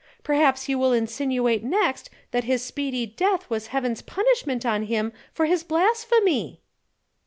Perhaps you will insinuate next that his speedy death was Heaven's punishment on him for his blasphemy!"